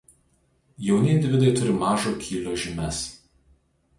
Jauni individai turi mažo kylio žymes.